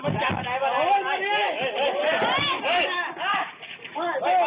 เฮ้ยป้าวป้าวป้าว